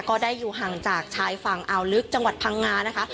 ก็ได้อยู่ห่างจากชายฝั่งอ่าวลึกจังหวัดพังงานะคะ